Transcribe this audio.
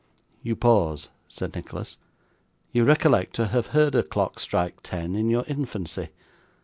'You pause,' said Nicholas; 'you recollect to have heard a clock strike ten in your infancy.